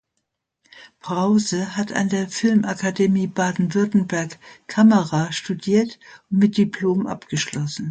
Prause hat an der Filmakademie Baden-Württemberg "Kamera" studiert und mit Diplom abgeschlossen.